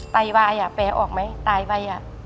ไตวัยฯแปรออกไหมไตวัยฯ